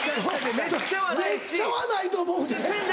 めっちゃはないと思うで。